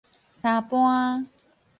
相搬